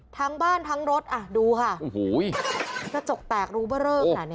ทั้งบ้านทั้งรถดูค่ะกระจกแตกรูเบอร์เริ่ม